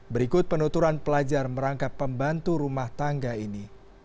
berikut penuturan pelajar merangkap pembantu rumah tangga ini